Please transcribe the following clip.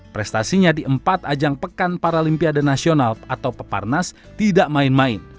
prestasinya di empat ajang pekan paralimpiade nasional atau peparnas tidak main main